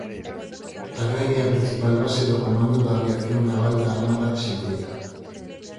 Tamén é a principal base do Comando da Aviación Naval da Armada Arxentina.